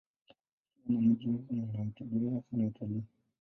Uchumi wa mji huu unategemea sana utalii.